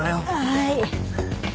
はい。